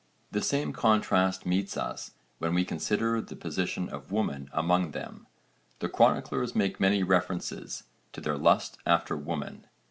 The same contrast meets us when we consider the position of women among them. The chroniclers make many references to their lust after women.